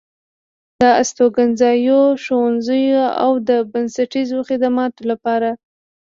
د استوګنځايو، ښوونځيو او د بنسټيزو خدماتو لپاره